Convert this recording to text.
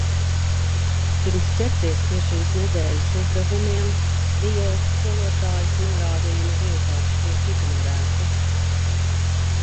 Pirms ķerties pie šīs nedēļas uzdevumiem... Vijoles skolotājas norādījumi vienkārši tiek ignorēti...